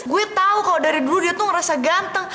gue tau kalau dari dulu dia tuh ngerasa ganteng